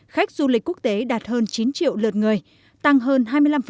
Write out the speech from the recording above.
khách du lịch quốc tế đạt hơn chín triệu lượt người tăng hơn hai mươi năm